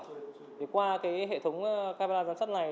thì qua cái hệ thống camera giám sát này